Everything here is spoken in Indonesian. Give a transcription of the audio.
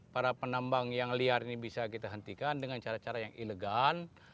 para penambang yang liar ini bisa kita hentikan dengan cara cara yang elegan